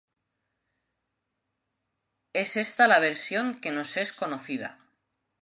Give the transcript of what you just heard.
Es esta la versión que nos es conocida.